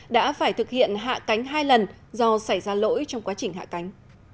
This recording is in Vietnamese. đã phải thực hiện hạ cánh hai lần do xảy ra lỗi trong quá trình hạ cánh